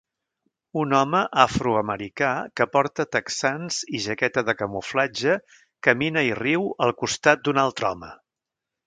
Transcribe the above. Un home afroamericà que porta texans i jaqueta de camuflatge camina i riu al costat d'un altre home.